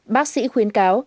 bác sĩ khuyến cáo